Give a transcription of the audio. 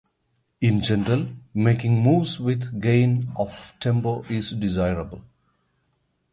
In general, making moves with gain of tempo is desirable.